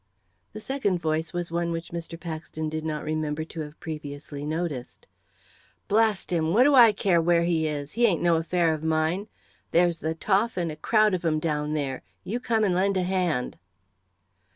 The second voice was one which Mr. Paxton did not remember to have previously noticed. "Blast him! what do I care where he is? He ain't no affair of mine! There's the Toff, and a crowd of 'em down there you come and lend a hand!"